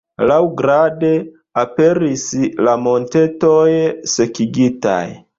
Laŭgrade, aperis la montetoj sekigitaj.